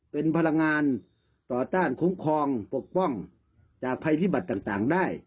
เป็นพลังงานต่อต้านคุ้มครองปกป้องจากภัยพิบัติต่างได้